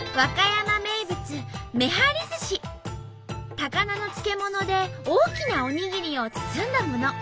高菜の漬物で大きなおにぎりを包んだもの。